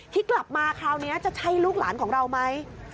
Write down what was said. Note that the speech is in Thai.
ที่กลับมาคราวนี้จะใช่ลูกหลานของเราไหม